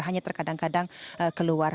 hanya terkadang kadang keluar